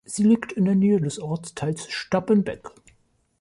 Sie liegt in der Nähe des Ortsteils Stappenbeck.